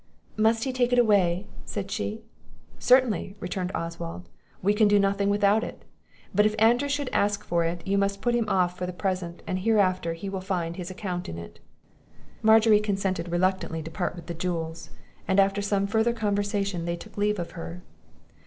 "Must he take it away?" said she. "Certainly," returned Oswald; "we can do nothing without it; but if Andrew should ask for it, you must put him off for the present, and hereafter he will find his account in it." Margery consented reluctantly to part with the jewels; and, after some further conversation, they took leave of her.